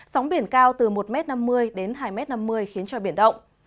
sóng biển cao từ một m năm mươi đến hai m năm mươi khiến cho biển động